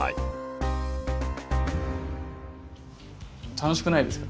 楽しくないですか？